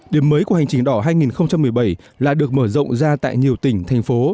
điểm mới của hành trình đỏ hai nghìn một mươi bảy là được mở rộng ra tại nhiều tỉnh thành phố